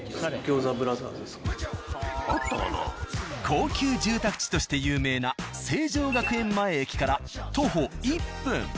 高級住宅地として有名な成城学園前駅から。